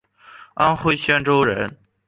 安徽宣州人。